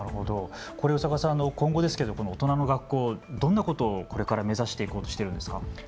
宇佐川さん、今後ですけど大人の学校、どんなことをこれから目指していこうとしているんですか。